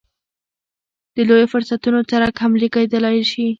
د لویو فرصتونو څرک هم لګېدلی شي.